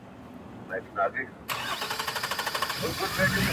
غرمه په يو بل کور کي مېلمانه وو.